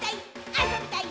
あそびたい！